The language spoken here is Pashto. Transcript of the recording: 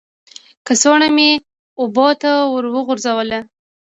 کڅوړه مې اوبو ته ور وغورځوله.